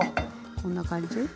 こんな感じ。